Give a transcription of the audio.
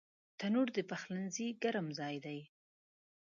تنور د پخلنځي ګرم ځای دی